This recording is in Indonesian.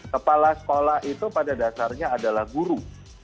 kepala sekolah itu pada dasarnya adalah guru